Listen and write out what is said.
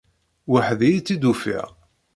Weḥd-i i tt-id-ufiɣ.